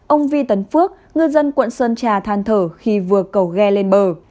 ông vi tấn phước ngư dân quận sơn trà than thở khi vừa cầu ghe lên bờ